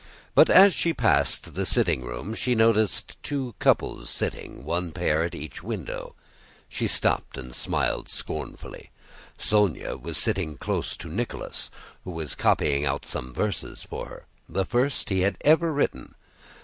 But as she passed the sitting room she noticed two couples sitting, one pair at each window. She stopped and smiled scornfully. Sónya was sitting close to Nicholas who was copying out some verses for her, the first he had ever written.